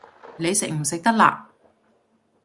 你食唔食得辣